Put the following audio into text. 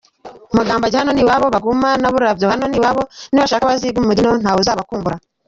Mugambage hano ni iwabo, Baguma na Burabyo hano ni iwabo, nibashaka bazigumire ino, ntawuzabakumbura!